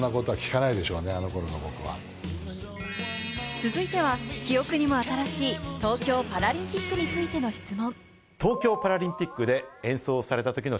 続いては、記憶にも新しい東京パラリンピックについての質問。